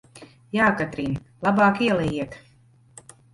Jā, Katrīn, labāk ielejiet!